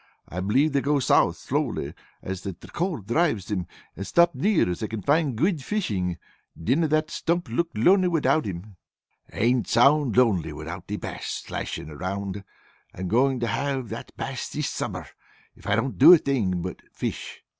I believe they go south slowly, as the cold drives them, and stop near as they can find guid fishing. Dinna that stump look lonely wi'out him?" "And sound lonely without the Bass slashing around! I am going to have that Bass this summer if I don't do a thing but fish!"